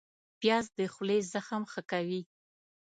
پیاز د خولې زخم ښه کوي